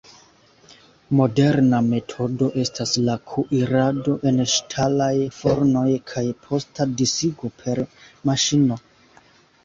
Moderna metodo estas la kuirado en ŝtalaj fornoj kaj posta disigo per maŝino.